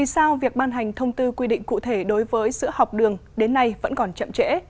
sao việc ban hành thông tư quy định cụ thể đối với sữa học đường đến nay vẫn còn chậm trễ